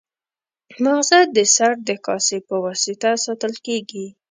ماغزه د سر د کاسې په واسطه ساتل کېږي.